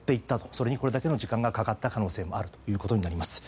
それにこれだけの時間がかかった可能性もあるということになります。